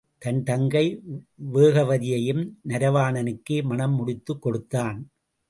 தன் தங்கை வேகவதியையும் நரவாணனுக்கே மணம் முடித்துக் கொடுத்தான்.